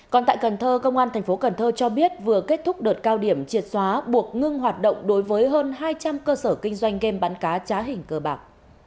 còn tại cần thơ công an thành phố cần thơ cho biết vừa kết thúc đợt cao điểm triệt xóa buộc ngưng hoạt động đối với hơn hai trăm linh cơ sở kinh doanh game bắn cá trá hình cờ bạc